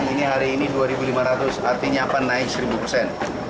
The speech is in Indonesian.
ini hari ini dua lima ratus artinya apa naik seribu persen